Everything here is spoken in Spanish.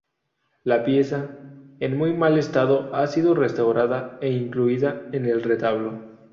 La pieza, en muy mal estado ha sido restaurada e incluida en el retablo.